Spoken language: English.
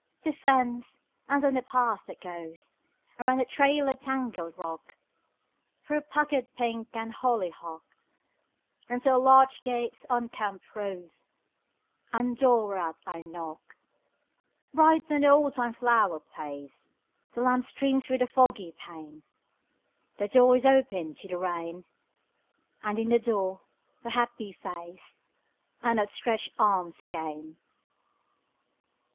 The fence; and then the path that goes Around a trailer tangled rock, Through puckered pink and hollyhock, Unto a latch gate's unkempt rose, And door whereat I knock. Bright on the oldtime flower place The lamp streams through the foggy pane; The door is opened to the rain: And in the door her happy face And outstretched arms again.